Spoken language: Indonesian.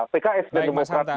pks dan demokrat